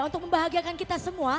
untuk membahagiakan kita semua